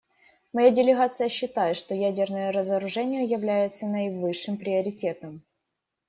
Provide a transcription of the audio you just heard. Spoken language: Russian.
Моя делегация считает, что ядерное разоружение является наивысшим приоритетом.